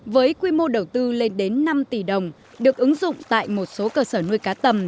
với quy mô đầu tư lên đến năm tỷ đồng được ứng dụng tại một số cơ sở nuôi cá tầm